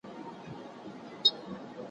ما په ژوند کي داسي قام نه دی لیدلی